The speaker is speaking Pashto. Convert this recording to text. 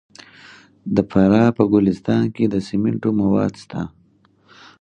د فراه په ګلستان کې د سمنټو مواد شته.